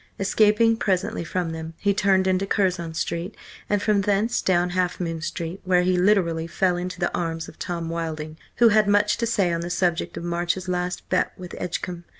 Escaping presently from them, he turned into Curzon Street, and from thence down Half Moon Street, where he literally fell into the arms of Tom Wilding, who had much to say on the subject of March's last bet with Edgecumbe.